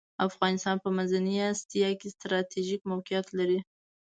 افغانستان په منځنۍ اسیا کې ستراتیژیک موقیعت لری .